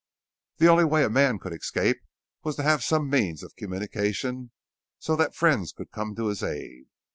The only way a man could escape was to have some means of communication so that friends could come to his aid.